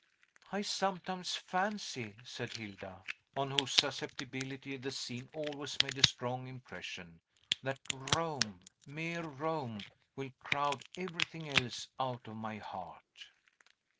"I sometimes fancy," said Hilda, on whose susceptibility the scene always made a strong impression, "that Rome mere Rome will crowd everything else out of my heart."